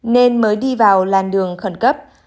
nên mới đi vào làn đường khẩn cấp